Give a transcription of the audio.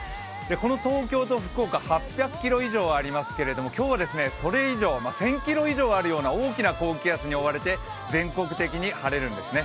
この東京と福岡８００ｋｍ以上ありますが今日はこれ以上１０００ｋｍあるような大きな高気圧に覆われて全国的に晴れるんですね。